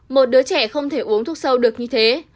một đứa trẻ không thể uống thuốc sâu được như thế